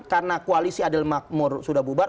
karena koalisi adil makmur sudah bubar